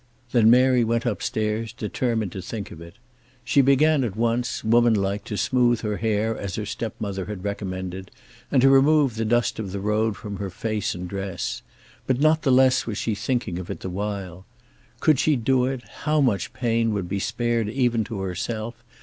Then Mary went up stairs, determined to think of it. She began at once, woman like, to smooth her hair as her stepmother had recommended, and to remove the dust of the road from her face and dress. But not the less was she thinking of it the while. Could she do it, how much pain would be spared even to herself!